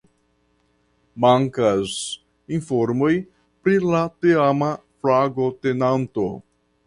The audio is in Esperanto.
Mankas informoj pri la teama flagotenanto.